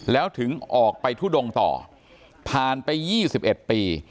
แล้วถึงออกไปทุดงต่อผ่านไป๒๑ปี